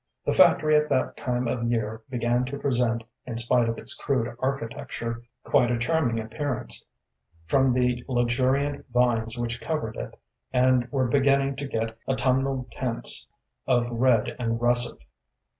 The factory at that time of year began to present, in spite of its crude architecture, quite a charming appearance, from the luxuriant vines which covered it and were beginning to get autumnal tints of red and russet.